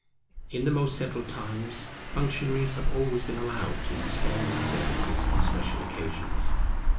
In the most settled times functionaries have always been allowed to suspend their services on special occasions.